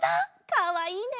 かわいいね。